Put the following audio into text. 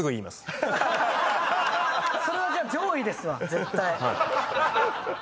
それはじゃあ上位ですわ絶対。